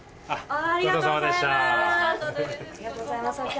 ありがとうございます。